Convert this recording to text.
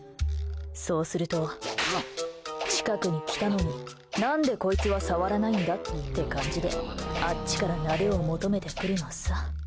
そうすると近くに来たのに、何でこいつは触らないんだ！って感じであっちからなでを求めてくるのさ。